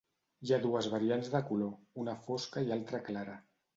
Hi ha dues variants de color, una fosca i altra clara.